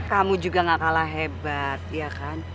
kamu juga gak kalah hebat ya kan